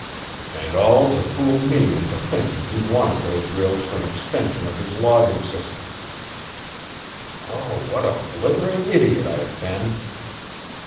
And all to fool me into thinking he wanted those rails for an extension of his logging system. Oh, what a blithering idiot I have been!